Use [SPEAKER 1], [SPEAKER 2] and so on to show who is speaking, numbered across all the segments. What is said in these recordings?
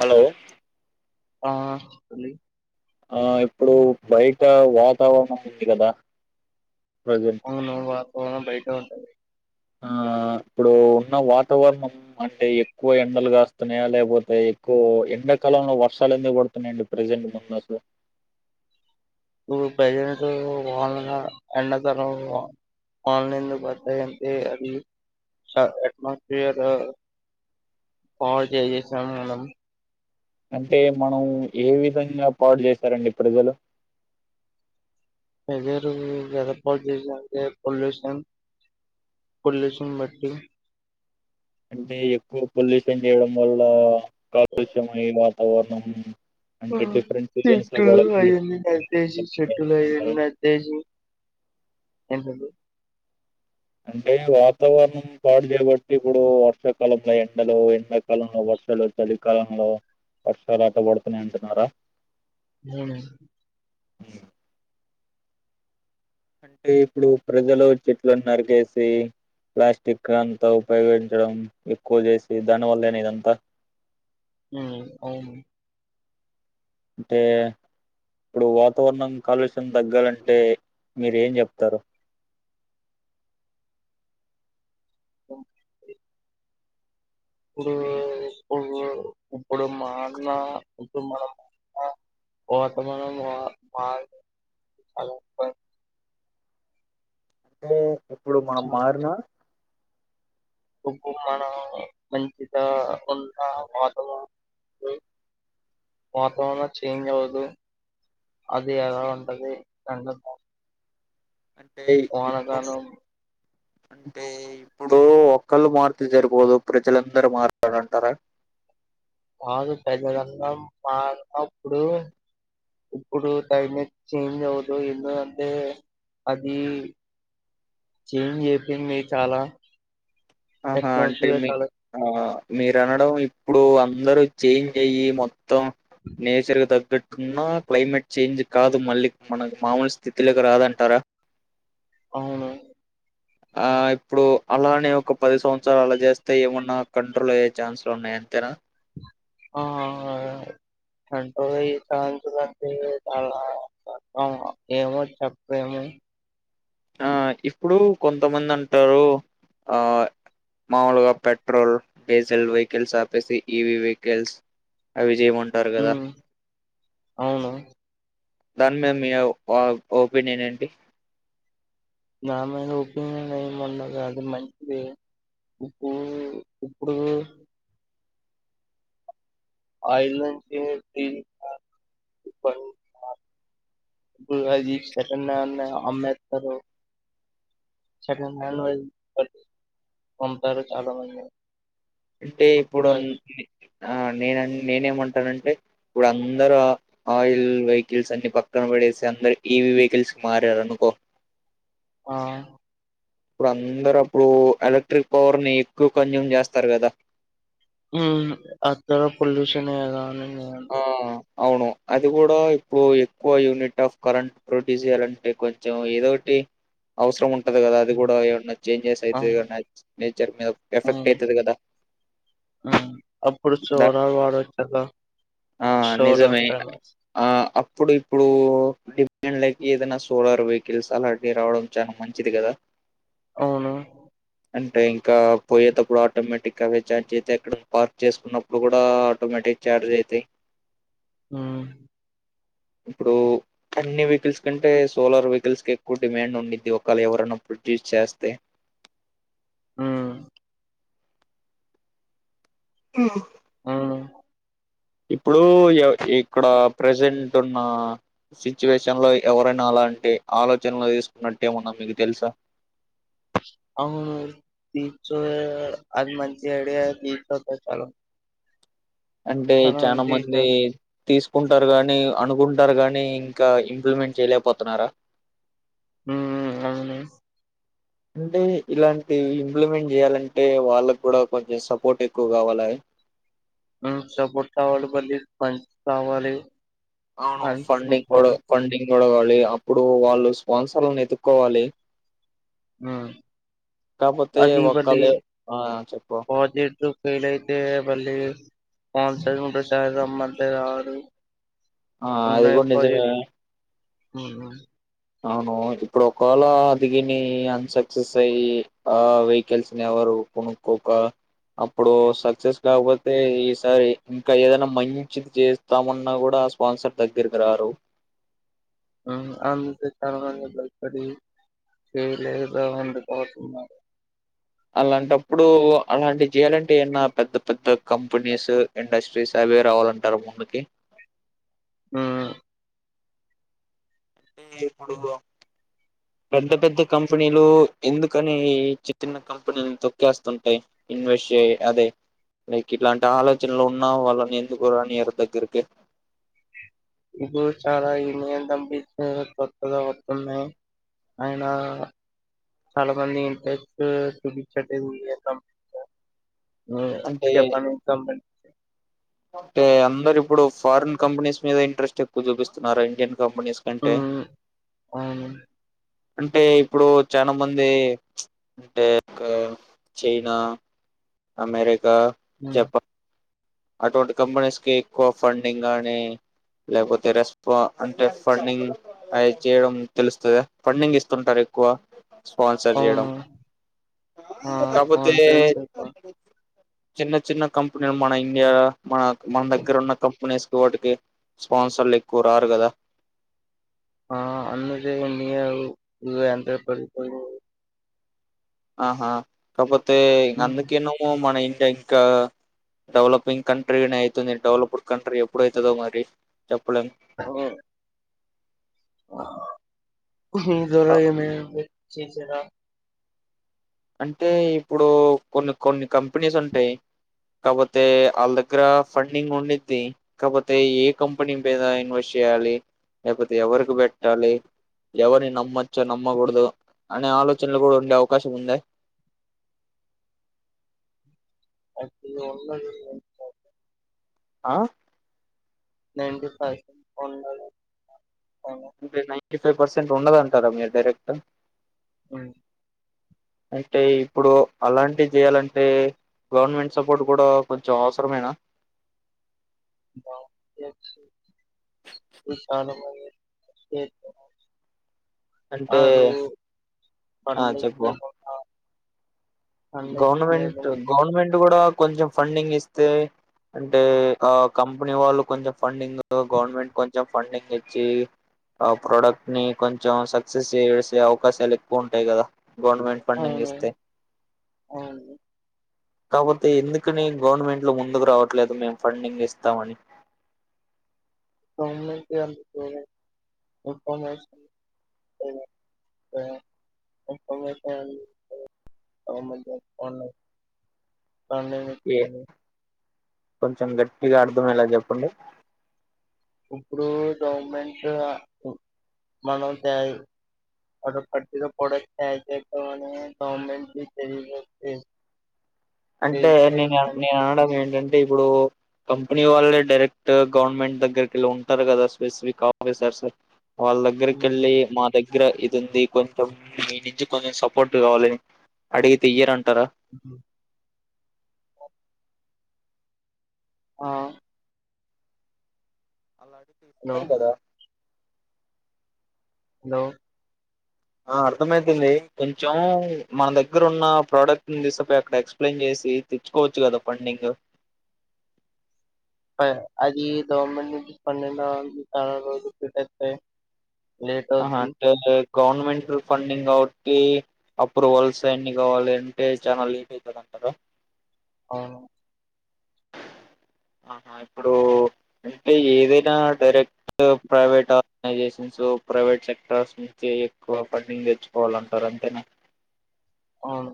[SPEAKER 1] Hello
[SPEAKER 2] ఆ అలీ
[SPEAKER 1] ఆ ఇప్పుడు బయట వాతావరణం ఉంది కదా ప్రజెంట్
[SPEAKER 2] అవును పోడం బయట ఉంటది
[SPEAKER 1] ఆ ఇప్పుడు ఉన్న వాతావరణం అంటే ఎక్కువ ఎండలు కాస్తున్నాయా లేకపోతే ఎక్కువ ఎండాకాలంలో వర్షాలు ఎందుకు పడుతున్నాయండి ప్రజెంట్ ముందు అసలు
[SPEAKER 2] ఇప్పుడు ప్రజ వాళ ఎండతనం వాళ్ళందు పతాయంటే అది అట్మాస్ఫియర్ పవర్ చేేసాం మనం
[SPEAKER 1] అంటే మనం ఏ విధంగా పాడు చేస్తారండి ప్రజలు
[SPEAKER 2] ఎగరుదప చేసినే పొల్యూషన్ పొల్యూషన్ బట్టి
[SPEAKER 1] అంటే ఎక్కువ పొల్యూషన్ చేయడం వల్ల కాదుషమ ఈ మా అవును
[SPEAKER 2] చెట్టులు అయంది నదజ చెట్టులు అయంది నదసి [inaudible]
[SPEAKER 1] అంటే వాతావరణం పాడు చేయబట్టి ఇప్పుడు వర్షాకాలంంలో ఎండలు ఎండాకాలంలో వర్షాలు చలికాలంలో వర్షాలు అట పడుతున్నాయి అంటున్నారా
[SPEAKER 2] అవును
[SPEAKER 1] అ అంటే ఇప్పుడు ప్రజలు చెట్లనులను నరికేసి ప్లాస్టిక్ అంతా ఉపయోగించడం ఎక్కువ చేసి దానివల్లనే ఇదంతా
[SPEAKER 2] మ్మ్ అవును
[SPEAKER 1] అంటే ఇప్పుడు వాతావరణం కాలుష్యం తగ్గాలంటే మీరు ఏం చెప్తారు
[SPEAKER 2] ఇప్పుడు ఇప్పుడు ఇప్పుడు మా అన్న ఇప్పుడు మన అన్న వాతమానం బాగా చాల
[SPEAKER 1] అంటే ఎప్పుడు మనం మారిన
[SPEAKER 2] ఇప్పు మనం మంచిగా ఉన్న వాతావరం వాతావరణం చేంజ్ అవదు అది ఎలా ఉంటది రండ
[SPEAKER 1] అంటే ఇప్పు అంటే ఇప్పుడు ఒకళ్ళు మారితే జరుగదు ప్రజలందరు మారాలంటారా టారా
[SPEAKER 2] కాదు పెద్ద రంగం మారినప్పుడు ఇప్పుడు క్లైమేట్ చేంజ్ అవదు ఎందుకంటే అది చేంజ్ అయిపోయింది చాలా
[SPEAKER 1] ఆహా అంటే
[SPEAKER 2] అట్మాస్ఫియర్
[SPEAKER 1] మీ
[SPEAKER 2] చాలా
[SPEAKER 1] ఆ మీరు అనడం ఇప్పుడు అందరు చేంజ్ అయి మొత్తం నేచర్ క తగ్గట్టున్నా క్లైమేట్ చేంజ్ కాదు మళ్ళీ మనకు మామూలు స్థితిలోకి రాదంటారా
[SPEAKER 2] అవును
[SPEAKER 1] ఆ ఇప్పుడు అలానే ఒక పది సంవత్సరాలు అలా చేస్తే ఏమన్నా కంట్రోల్ అయ్యే ఛాన్స్లు ఉన్నాయి అంతేనా
[SPEAKER 2] ఆ అంటె చుంటే చాలా ఆ ఏమో చెప్పేము
[SPEAKER 1] ఆ ఇప్పుడు కొంతమంది అంటారు ఆ మాముూలుగా పెట్రోల్ డీజిల్ వెహికల్స్ ఆపేసి ఈవి వెహికల్స్ అవి జయ
[SPEAKER 2] ఊ అవును
[SPEAKER 1] దాని మీద మీ ఆ ఒపీనియన్ ఏంటి
[SPEAKER 2] నామైన ఒపీనియన్ ఏమి ఉండదు అది మంచిది ఇప్పు ఇప్పుడు ఆ ఇల్లు కె ది ఇద్దరు క ఇప్పుడు అది సెకండ్ హడ్ అని అమ్మెస్తరుం పతారు చాలా మంది సెకండ్ హ్యాండ్ వని కొంటరు చాలా మంది
[SPEAKER 1] అంటే ఇప్పుడు
[SPEAKER 2] అప్పుడు
[SPEAKER 1] వున్న
[SPEAKER 2] అది
[SPEAKER 1] అన్ని ఆ నేన నేనేమంటానంటే ఇప్పుడు అందరు ఆ ఆయిల్ వెహికల్స్ అన్ని పక్కన పెడేసి అందరు ఈవి వెహికల్స్ కి మారారు అనుకో
[SPEAKER 2] ఆ
[SPEAKER 1] ఇప్పుడు అందరు అప్పుడు ఎలక్ట్రిక్ పవర్ ని ఎక్కువ కంజ్యూమ్ చేస్తారు కదా
[SPEAKER 2] ఊ అంత పొల్యూషన్ ఏ కదా అని నేను
[SPEAKER 1] ఆ
[SPEAKER 2] అంటున్న.
[SPEAKER 1] అవును అది కూడా ఇప్పుడు ఎక్కువ యూనిట్ ఆఫ్ కరెంట్ ప్రొడ్యూస్ చేయాలంటే కొంచెం ఏదోటి అవసరం ఉం కదా అది కూడా ఏమన్నా చేంజెస్
[SPEAKER 2] ఆ!
[SPEAKER 1] ఐతే నేచర్ మీద ఎఫెక్ట్
[SPEAKER 2] హ్మ్.
[SPEAKER 1] ఐతది కదా
[SPEAKER 2] హ్మ్. అప్పుడు సోలార్ వాడొచ్చు కదా!
[SPEAKER 1] ఆ
[SPEAKER 2] సోలార్
[SPEAKER 1] నిజమే ఇక
[SPEAKER 2] ప్యానెల్స్
[SPEAKER 1] ఆ ఇప్పుడు ఇప్పుడు డిమాండ్ లైక్ ఏదైనా సోలార్ వెహికల్స్ అలాంటివి రావడం చాలా మంచిది కదా
[SPEAKER 2] అవును
[SPEAKER 1] అంటే ఇంకా పోయేటప్పుడు ఆటోమేటిక్ అవే చఛార్జ్ అయితే ఎక్కడ పార్క్ చేసుకున్నప్పుడు కూడా ఆటోమేటిక్ చార్జ్ అయి తి
[SPEAKER 2] ఊ
[SPEAKER 1] ఇప్పుడు అన్ని వెహికల్స్ కంటే సోలార్ వెహికల్స్ కి ఎక్కువ డిమాండ్ ఉంది ఒకళ ఎవరైనా ప్రొడ్యూస్ చేస్తే
[SPEAKER 2] ఊ
[SPEAKER 1] ఆ
[SPEAKER 2] ఆ
[SPEAKER 1] ఇప్పుడు ఇక్కడ ప్రజెంట్ ఉన్న సిచ్యువేషన్ లో ఎవరైనా అలాంటి ఆలోచనలు తీసుకున్నట్టటు ఏమున్నా మీకు తెలుసా
[SPEAKER 2] అవును తీ అది మంచి అడి తీ తో చాలం
[SPEAKER 1] అంటే చానా మంది తీసుకుంటారు గాని అనుకుంటారు గానీ ఇంకా ఇంప్లిమెంట్ చేయలేకపోతున్నారా
[SPEAKER 2] ఉ అవునా
[SPEAKER 1] అంటే ఇలాంటి ఇంప్లిమెంట్ చేయాలంటే వాళ్ళకు కూడా కొంచెం సపోర్ట్ ఎక్కువ కావాల
[SPEAKER 2] హు సపోర్టు కావాలి మళ్ళీ పంచ్ కావాలి
[SPEAKER 1] అవును
[SPEAKER 2] ఫండ్స్
[SPEAKER 1] ఫండింగ్ కూడా
[SPEAKER 2] ఇంపార్టెంట్
[SPEAKER 1] ఫండింగ్ కొడగాలి అప్పుడు వాళ్ళు స్పాన్సర్లను ఎతుక్కోవాలి కాకపోతే
[SPEAKER 2] అది
[SPEAKER 1] ఒక్కళ
[SPEAKER 2] మళ్ళీ
[SPEAKER 1] ఆ చెప్ప
[SPEAKER 2] ప్రాజెక్ట్ ఫెయిల్ అయితే మళ్ళీ ఫన్ [unintelligible] రమ్మంతే రావాలి
[SPEAKER 1] ఆ అది కూడా నిజమే అవును ఇప్పుడు ఒకవేళ అ దిగని అన్సక్సెస్ అయి ఆ వెహికల్స్ని ఎవరు కొనుక్కొక అప్పుడు సక్సెస్ కాకపోతే ఈసారి ఇంకా ఏదైనా మంచిది చేస్తామన్నా కూడా స్పాన్సర్ దగ్గరికి రారు
[SPEAKER 2] అవును అందుకనీ చాలా మంది భయపడి చేయలేదా అందుపోతున్నారు
[SPEAKER 1] అలాంటప్పుడు అలాంటి చేయాలంటే ఏన్న పెద్ద పెద్ద కంపెనీస్ ఇండస్ట్రీస్ అవే రావాలంటారు ముందుకి
[SPEAKER 2] ఆ
[SPEAKER 1] అంటే ఇప్పుడు పెద్ద పెద్ద కంపెనీలు ఎందుకని చి చిన్న కంపెనీని తొక్కేస్తుంటాయి. ఇన్వెస్ట్ అదే లైక్ ఇట్లాంటి ఆలోచనలు ఉన్నా వాళ్ళని ఎందుకు రానియారు దగ్గరికి
[SPEAKER 2] ఇప్పుడు చాలా [unintelligible] కొత్తగా వతున్నాయి ఆయన చాలా మంది ఇంట్రెస్ట్ చూపించంట లేదు
[SPEAKER 1] అంటే
[SPEAKER 2] జపాన్ కంపనీ
[SPEAKER 1] అంటే అందరు ఇప్పుడు ఫారిన్ కంపెనీస్ మీద ఇంట్రెస్ట్ ఎక్కువ చూపిస్తున్నారు ఇండియన్ కంపెనీస్ కంటే
[SPEAKER 2] ఉమ్ అవును
[SPEAKER 1] అంటే ఇప్పుడు చానా మంది అంటే చైనా అమెరి
[SPEAKER 2] ఉమ్
[SPEAKER 1] జపా అటువంటి కంపెనీస్ కి ఎక్కువ ఫండింగ్ అని లేకపోతే రెస్పాన్ అంటే ఫండింగ్ అ చేయడం తెలుస్తుంద. ఫండింగ్ ఇస్తుంటారు ఎక్కువ స్పాన్సర్ చేయడం
[SPEAKER 2] అవును ఆ
[SPEAKER 1] కాకపోతే
[SPEAKER 2] స్పాన్సర్స్
[SPEAKER 1] చిన్న చిన్న కంపెనీ మన ఇన్ ఇండియ మనకు మన దగ్గర ఉన్న కంపెనీస్ తోటకి స్పాన్సర్లు ఎక్కువ రారు కదా
[SPEAKER 2] ఆ అందుది [unintelligible] లేదంటే పడి పడి
[SPEAKER 1] ఆహా కపో అతే
[SPEAKER 2] ఉమ్,
[SPEAKER 1] అందుకేనేమో మన ఇండియా ఇం ఇంకా డెవలపింగ్ కంట్రీనే అవుతుంది. డెవలప్డ్ కంట్రీ ఎప్పుడ అవుతుందో మరి చెప్పలేం
[SPEAKER 2] అ ఆ దార
[SPEAKER 1] అ
[SPEAKER 2] ఏమి ఉంది చిచిరా
[SPEAKER 1] అంటే ఇప్పుడు కొన్ని కొన్ని కంపెనీస్ ఉంటాయి. కాకపోతే వాళ్ళ దగ్గర ఫండింగ్ ఉండిద్ది కాకపోతే ఏ కంపెనీ మీద ఇన్వెస్ట్ చేయాలి. లేకపోతే ఎవరికి పెట్టాలి ఎవరిని నమ్మచ్చో నమ్మకూడదు. అనే ఆలోచనలు కూడా ఉండే అవకాశం ఉంద
[SPEAKER 2] అది వల్ల [unintelligible]
[SPEAKER 1] ఆ
[SPEAKER 2] నైన్టీ పర్సెంట్ ఉండలేద
[SPEAKER 1] twenty nine fifty five percent ఉండదంటారా మీరు డైరెక్ట్
[SPEAKER 2] అవు
[SPEAKER 1] అంటే ఇప్పుడు అలాంటివి చేయాలంటే గవర్నమెంట్ సపోర్ట్ కూడా కొంచెం అవసరమేనా
[SPEAKER 2] విశ [unintelligible]
[SPEAKER 1] అంటే ఆ చెప్పు
[SPEAKER 2] పండించకుండా
[SPEAKER 1] గవర్నమెంట్
[SPEAKER 2] పండించకుండా
[SPEAKER 1] గవర్నమెంట్ కూడా కొంచెం ఫండింగ్ ఇస్తే అంటే ఆ కంపెనీ వాళ్ళు కొంచెం ఫండింగ్ గవర్నమెంట్ కొంచెం ఫండింగ్ ఇచ్చి ఆ ప్రొడక్ట్ ని కొంచెం సక్సెస్ చేసే అవకాశాలు ఎక్కువ ఉంటాయి కదా గవర్నమెంట్ ఫండింగ్
[SPEAKER 2] అవును
[SPEAKER 1] ఇస్తే
[SPEAKER 2] అవును
[SPEAKER 1] కాపోతే ఎందుకని గవర్నమెంట్ లో ముందుకు రావట్లేదు మేము ఫండింగ్ ఇస్తామని
[SPEAKER 2] సషష [unintelligible] ఫండింగ్
[SPEAKER 1] ఏ
[SPEAKER 2] ఇస్తుంది
[SPEAKER 1] కొంచెం గట్టిగా అర్థమయ్యేలా చెప్పండి
[SPEAKER 2] ఇప్పుడు గవర్నమెంట్ మనం పట్టిన ప్రొడక్ట్ కూడా తయ చేయాం అని గవర్నమెంట్ి తెలియజేస్తే
[SPEAKER 1] అంటే నేను నేను అనడం ఏంటంటే అంటే ఇప్పుడు కంపెనీ వాళ్ళే డైరెక్ట్ గవర్నమెంట్ దగ్గరకి వెళ్ళి ఉంటారు కదా స్పెసిఫిక్ ఆఫీసర్స్ వాళ్ళ దగ్గరకిెళ్ళి
[SPEAKER 2] ఉమ్.
[SPEAKER 1] మా దగ్గర దగ్గ ఇది ఉంది కొంచెం మీ నుంచి కొంచెం సపోర్ట్ కావాలని అడిగితే ఇయ్యార
[SPEAKER 2] ఉ ఆ
[SPEAKER 1] అలా
[SPEAKER 2] హలో
[SPEAKER 1] రు కదా
[SPEAKER 2] హలో
[SPEAKER 1] ఆ అర్థమైతుంది కొంచెం మన దగ్గర ఉన్న ప్రోడక్ట్ ను తీసపో అక్కడ ఎక్స్ప్లెయిన్ చేసి తెచ్చుకోవచ్చు కదా పండింగ్
[SPEAKER 2] అది గవర్నమెంట్ నుండి పన్నెంండ త రోజు పెట్టస్తయి
[SPEAKER 1] ఆహా అంట గవర్నమెంట్ ఫండింగ్ కాబట్టి అప్రూవల్స్ అన్ని కావాలి అంటే చాలా లేట్ అవుతంది అంటారు
[SPEAKER 2] అవును
[SPEAKER 1] ఆహా ఇప్పుడు అంటే ఏదైనా direct private organisations private sectors నుంచి ఎక్కువ ఫండింగ్ తెచ్చుకోవాలంటారు అంతేనా
[SPEAKER 2] అవును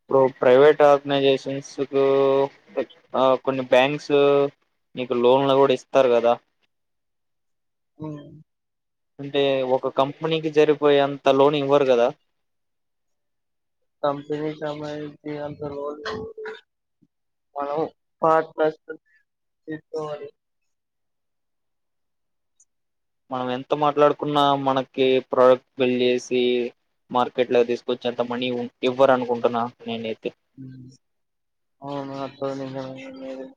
[SPEAKER 1] ఇప్పుడు ప్రైవేట్ ఆర్గనైజేషన్స్ కు కొన్ని బ్యాంక్స్ నీకు లోన్లు కూడా ఇస్తారు కదా
[SPEAKER 2] అ
[SPEAKER 1] అంటే ఒక కంపెనీకి జరిపోయే అంత లోన్ ఇవ్వరు కదా
[SPEAKER 2] కంపిెనీ సంబంధించి అంత లోన్ మనం పార్టనర్స్ గా తీసుకోవాలి
[SPEAKER 1] మనం ఎంత మాట్లాడుకున్నా మనకి ప్రోడక్ట్ బల్ చేసి మార్కెట్ లో తీసుకొచ్చి ఎంత మనీ ఇవ్వరు అనుకుంటున్నా నేనైతే
[SPEAKER 2] అవును అ [unintelligible]